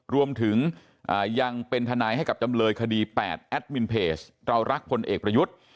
รวมถึงยังเป็นทนายให้กับจำเลยคดี๘แอดมินเพจเรารักพลเอกประยุทธ์